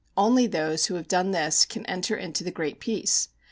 Only those who have done this can enter into the Great Peace.